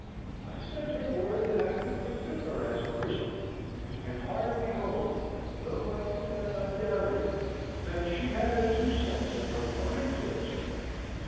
I sent her word that I could forgive her as a Christian, and heartily hope (though I confess I doubt it) that she had a due sense of her crime towards me.